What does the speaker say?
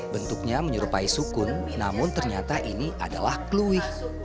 bentuknya menyerupai sukun namun ternyata ini adalah kluih